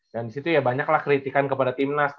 dan disitu ya banyaklah kritikan kepada timnas